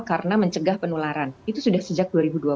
karena mencegah penularan itu sudah sejak dua ribu dua puluh